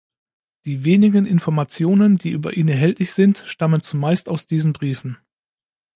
Die wenigen Informationen, die über ihn erhältlich sind, stammen zumeist aus diesen Briefen.